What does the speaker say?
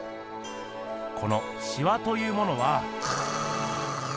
このしわというものは。